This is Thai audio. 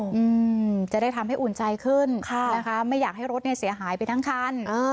อืมจะได้ทำให้อุ่นใจขึ้นค่ะนะคะไม่อยากให้รถเนี้ยเสียหายไปทั้งคันเออ